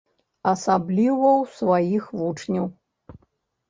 Асабліва ў сваіх вучняў.